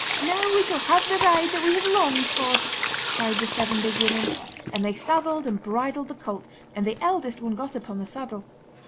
'Now we shall have the ride that we have longed for!' cried the Seven Big Women; and they saddled and bridled the colt, and the eldest one got upon the saddle.